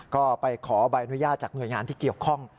ก็ไปขอใบอนุญาตจากหน่วยงานที่เกี่ยวข้อง